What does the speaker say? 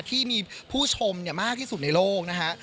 ที่มีผู้ชมมากที่สุดในโลกนะฮะ